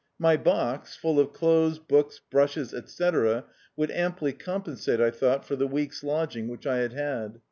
My box, full of clothes, books, brushes, etc., would amply compensate, I thought, for the week's lodging which I had had.